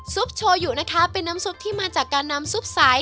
ซุปโชยูเป็นน้ำซุปที่มาจากน้ำซุปซ้าย